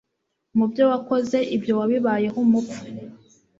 Mu byo wakoze ibyo wabibayeho umupfu